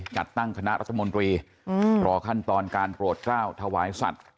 จัดตั้งคณะรัฐมนตรีรอขั้นตอนการโปรดกล้าวถวายสัตว์